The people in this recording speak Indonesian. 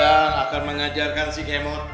aku akan mengajarkan si g mod